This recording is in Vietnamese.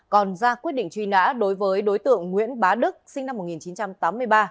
còn ra quyết định truy nã đối với đối tượng nguyễn bá đức sinh năm một nghìn chín trăm tám mươi ba